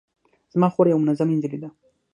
زما خور یوه منظمه نجلۍ ده